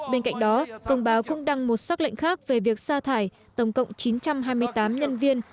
bên cạnh đó công báo cũng đăng một xác lệnh khác về việc xa thải tổng cộng chín trăm hai mươi tám nhân viên